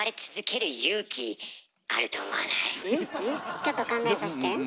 ちょっと考えさして。